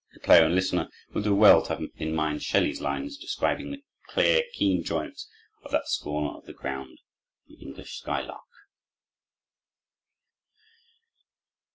The player and listener will do well to have in mind Shelley's lines, describing the "clear, keen joyance" of that "scorner of the ground," the English skylark.